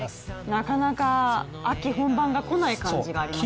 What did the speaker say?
なかなか秋本番が来ない感じがありますよね。